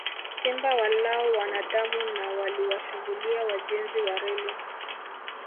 Simba walao wanadamu na waliwashambulia wajenzi wa reli